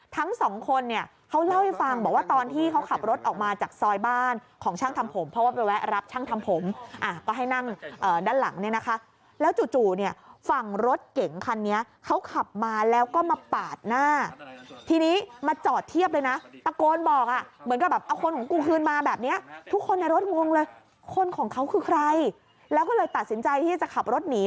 ทั้งสองคนเนี่ยเขาเล่าให้ฟังบอกว่าตอนที่เขาขับรถออกมาจากซอยบ้านของช่างทำผมเพราะว่าไปแวะรับช่างทำผมอ่ะก็ให้นั่งด้านหลังเนี่ยนะคะแล้วจู่เนี่ยฝั่งรถเก๋งคันนี้เขาขับมาแล้วก็มาปาดหน้าทีนี้มาจอดเทียบเลยนะตะโกนบอกอ่ะเหมือนกับแบบเอาคนของกูคืนมาแบบนี้ทุกคนในรถงงเลยคนของเขาคือใครแล้วก็เลยตัดสินใจที่จะขับรถหนี